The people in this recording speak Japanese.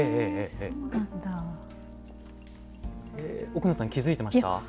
奥野さん気付いてました？